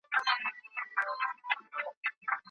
که موږ یو ځای سو نو لویه پروژه به جوړه کړو.